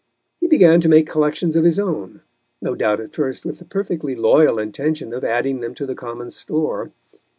He began to make collections of his own, no doubt at first with the perfectly loyal intention of adding them to the common store.